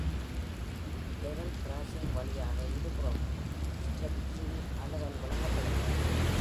Level crossing வழியாக இருபுறமும் step free அணுகல் வழங்கப்படுகிறது.